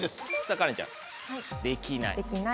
カレンちゃん「できない」。